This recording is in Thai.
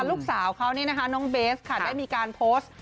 ลูกสาวเขานี่นะคะน้องเบสค่ะได้มีการโพสต์